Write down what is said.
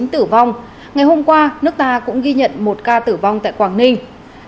tử vong ngày hôm qua nước ta cũng ghi nhận một ca tử vong tại quảng ninh